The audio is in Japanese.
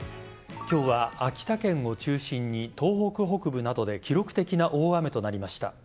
今日は秋田県を中心に東北北部などで記録的な大雨となりました。